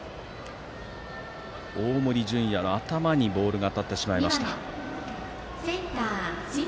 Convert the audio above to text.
大森准弥の頭にボールが当たってしまいました。